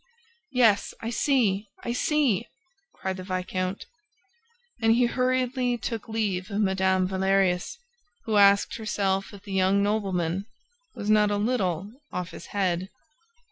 "Yes, I see! I see!" cried the viscount. And he hurriedly took leave of Mme. Valerius, who asked herself if the young nobleman was not a little off his head.